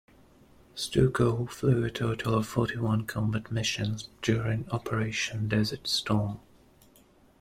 Sturckow flew a total of forty-one combat missions during Operation Desert Storm.